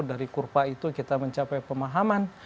dari kurva itu kita mencapai pemahaman